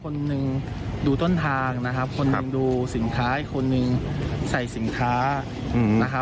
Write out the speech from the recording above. คนหนึ่งดูต้นทางคนหนึ่งดูสินค้าให้คนหนึ่งใส่สินค้า